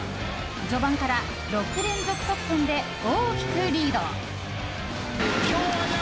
序盤から６連続得点で大きくリード。